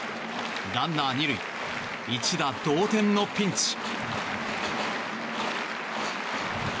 ランナー２塁一打同点のピンチ。